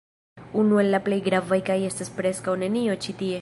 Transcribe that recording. Unu el la plej gravaj kaj estas preskaŭ nenio ĉi tie